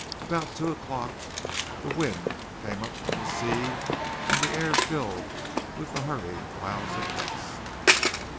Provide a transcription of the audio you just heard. About two o'clock the wind came up from the sea, and the air filled with the hurrying clouds of dust.